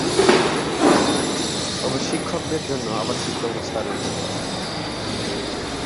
তবে শিক্ষকদের জন্য আবাসিক ব্যবস্থা রয়েছে।